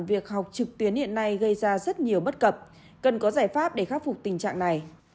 việc học trực tuyến hiện nay gây ra rất nhiều bất cập cần có giải pháp để khắc phục tình trạng này